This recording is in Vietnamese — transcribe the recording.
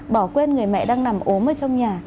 bỏ quên người mẹ đang nằm ốm ở trong nhà